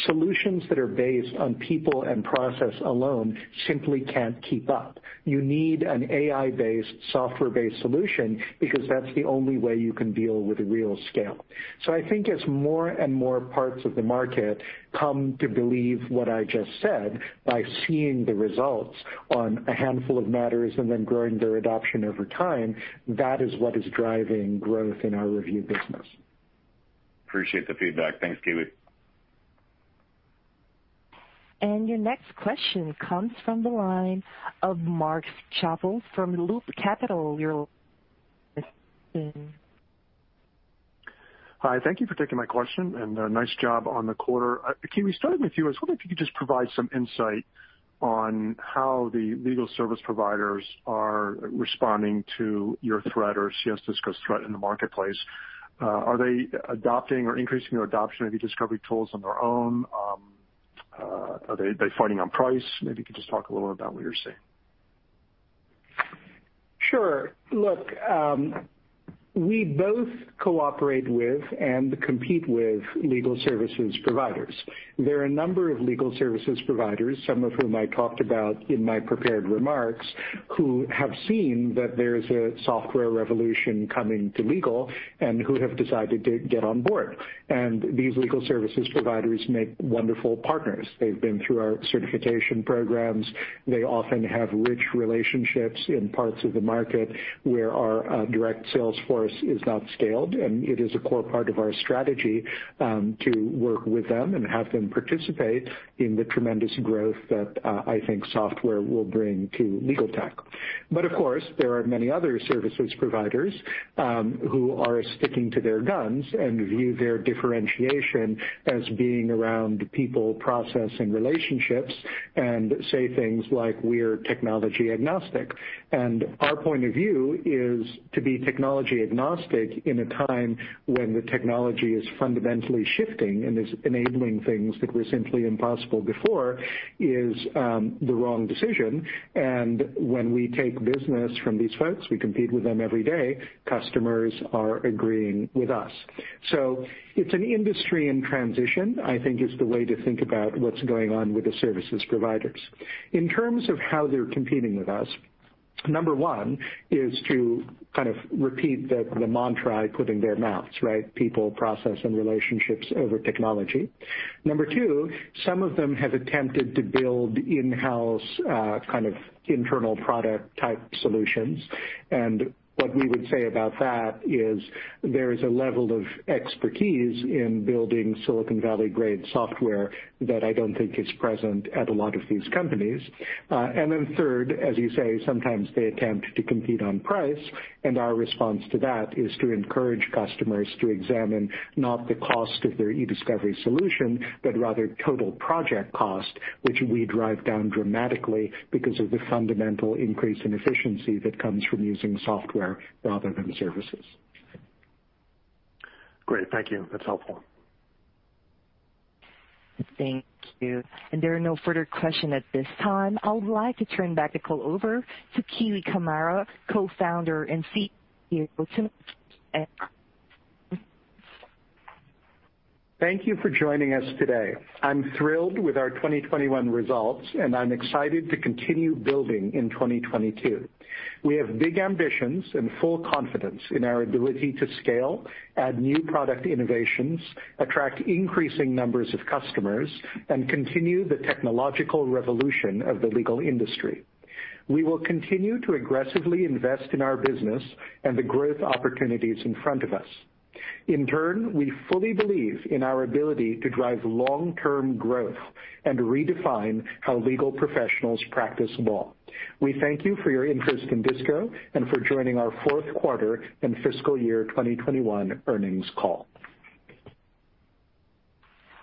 solutions that are based on people and process alone simply can't keep up. You need an AI-based, software-based solution because that's the only way you can deal with real scale. I think as more and more parts of the market come to believe what I just said by seeing the results on a handful of matters and then growing their adoption over time, that is what is driving growth in our review business. Appreciate the feedback. Thanks, Kiwi. Your next question comes from the line of Mark Schappel from Loop Capital. Your line is open. Hi. Thank you for taking my question, and nice job on the quarter. Kiwi, starting with you, I was wondering if you could just provide some insight on how the legal service providers are responding to your threat or CS Disco's threat in the marketplace. Are they adopting or increasing their adoption of eDiscovery tools on their own? Are they fighting on price? Maybe you could just talk a little bit about what you're seeing. Sure. Look, we both cooperate with and compete with legal services providers. There are a number of legal services providers, some of whom I talked about in my prepared remarks, who have seen that there's a software revolution coming to legal and who have decided to get on board. These legal services providers make wonderful partners. They've been through our certification programs. They often have rich relationships in parts of the market where our direct sales force is not scaled, and it is a core part of our strategy to work with them and have them participate in the tremendous growth that I think software will bring to legal tech. Of course, there are many other service providers who are sticking to their guns and view their differentiation as being around people, process, and relationships, and say things like, "We're technology agnostic." Our point of view is to be technology agnostic in a time when the technology is fundamentally shifting and is enabling things that were simply impossible before is the wrong decision. When we take business from these folks, we compete with them every day, customers are agreeing with us. It's an industry in transition, I think is the way to think about what's going on with the service providers. In terms of how they're competing with us, number one is to kind of repeat the mantra put in their mouths, right? People, process, and relationships over technology. Number two, some of them have attempted to build in-house, kind of internal product-type solutions. What we would say about that is there is a level of expertise in building Silicon Valley-grade software that I don't think is present at a lot of these companies. Third, as you say, sometimes they attempt to compete on price, and our response to that is to encourage customers to examine not the cost of their eDiscovery solution, but rather total project cost, which we drive down dramatically because of the fundamental increase in efficiency that comes from using software rather than services. Great. Thank you. That's helpful. Thank you. There are no further questions at this time. I would like to turn back the call over to Kiwi Camara, Co-Founder and CEO. Thank you for joining us today. I'm thrilled with our 2021 results, and I'm excited to continue building in 2022. We have big ambitions and full confidence in our ability to scale, add new product innovations, attract increasing numbers of customers, and continue the technological revolution of the legal industry. We will continue to aggressively invest in our business and the growth opportunities in front of us. In turn, we fully believe in our ability to drive long-term growth and redefine how legal professionals practice law. We thank you for your interest in DISCO and for joining our Q4 and fiscal year 2021 earnings call.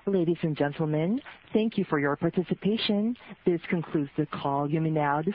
Ladies and gentlemen, thank you for your participation. This concludes the call. You may now DISCOnnect.